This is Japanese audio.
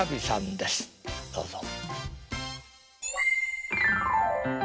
どうぞ。